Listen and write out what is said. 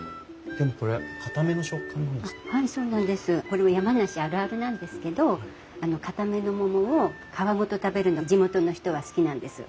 これは山梨あるあるなんですけどかための桃を皮ごと食べるの地元の人は好きなんです。